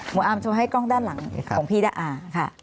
หมู่อามโชว์ให้กล้องด้านหลังของพี่ด้านหลังค่ะ